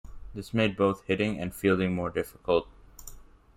This made both hitting and fielding more difficult.